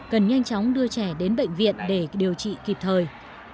cần nhanh chóng đưa trẻ đến bệnh viện để điều trị kịp thời